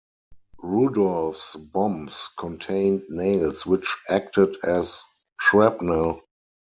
Rudolph's bombs contained nails which acted as shrapnel.